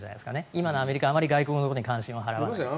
今のアメリカはあまり外国のことに関心を払わないと。